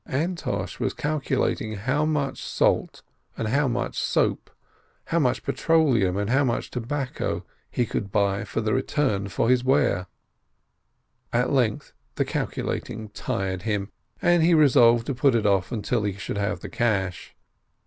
Antosh was calculating how much salt and how much soap, how much petroleum and how much tobacco he could buy for the return for his ware. At length the calculating tired him, and he resolved to put it off till he should have the cash.